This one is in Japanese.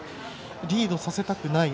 リードさせたくない。